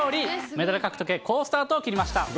メダル獲得へ、好スタートを切りました。